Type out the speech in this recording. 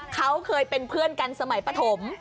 เขาเคยเป็นเพื่อนกันสมัยปฐม